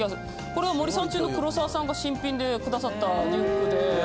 これは森三中の黒沢さんが新品でくださったリュックで。